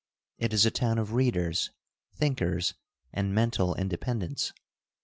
It is a town of readers, thinkers and mental independents.